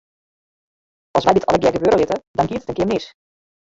As wy dit allegear gewurde litte, dan giet it in kear mis.